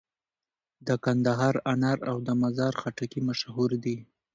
د کندهار انار او د مزار خټکي مشهور دي.